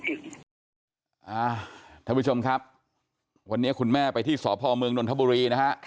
ท่านผู้ชมครับวันนี้คุณแม่ไปที่สพเมืองนนทบุรีนะฮะ